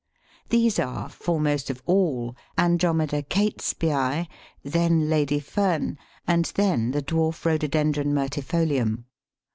These are, foremost of all, Andromeda Catesbæi, then Lady Fern, and then the dwarf Rhododendron myrtifolium.